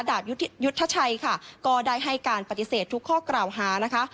ยุทธชัยค่ะก็ได้ให้การปฏิเสธทุกข้อกล่าวหานะคะ